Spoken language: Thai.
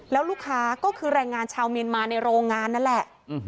แล้วลูกค้าก็คือแรงงานชาวเมียนมาในโรงงานนั่นแหละ